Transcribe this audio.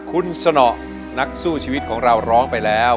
คุณสนอกสู้ชีวิตของเราร้องไปแล้ว